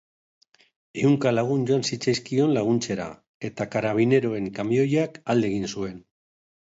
Ehunka lagun joan zitzaizkion laguntzera, eta karabineroen kamioiak alde egin zuen.